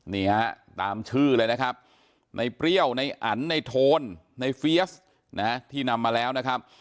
นี่ฮะตามชื่อเลยนะครับในเปรี้ยวในอันในโทนในเฟียสนะฮะที่นำมาแล้วนะครับ